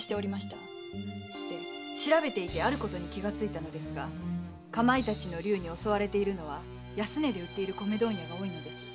で調べていてあることに気がついたのですがカマイタチの竜が襲っているのは安値で売る米問屋が多いのです。